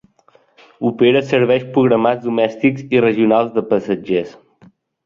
Opera serveis programats domèstics i regionals de passatgers.